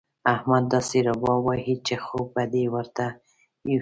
احمد داسې رباب وهي چې خوب به دې ورته يوسي.